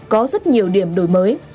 có rất nhiều điểm đổi mới